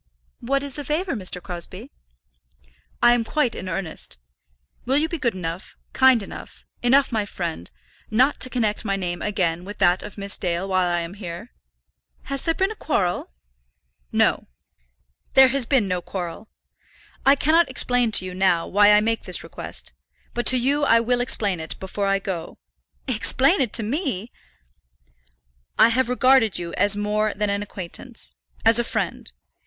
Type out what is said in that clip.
"What is the favour, Mr. Crosbie?" "I am quite in earnest. Will you be good enough, kind enough, enough my friend, not to connect my name again with that of Miss Dale while I am here?" "Has there been a quarrel?" "No; there has been no quarrel. I cannot explain to you now why I make this request; but to you I will explain it before I go." "Explain it to me!" "I have regarded you as more than an acquaintance, as a friend.